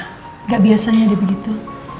nggak biasanya dia begitu